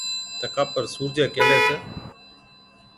تڪا پر سُورجَي ڪيهلَي تہ،